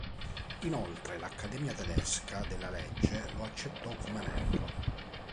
Inoltre l'Accedemia tedesca della legge lo accettò come membro.